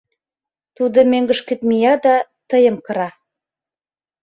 Тудо мӧҥгышкет мия да тыйым кыра.